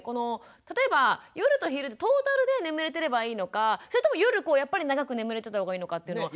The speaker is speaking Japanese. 例えば夜と昼トータルで眠れてればいいのかそれとも夜やっぱり長く眠れてた方がいいのかっていうのは。